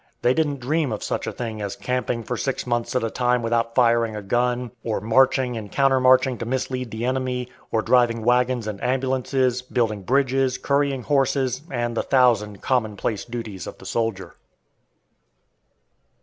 They didn't dream of such a thing as camping for six months at a time without firing a gun, or marching and countermarching to mislead the enemy, or driving wagons and ambulances, building bridges, currying horses, and the thousand commonplace duties of the soldier.